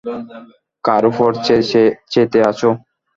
কার উপর চেতে আছো?